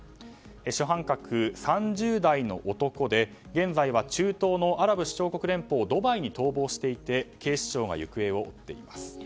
主犯格は３０代の男で現在は中東のアラブ首長国連邦ドバイに逃亡していて警視庁が行方を追っています。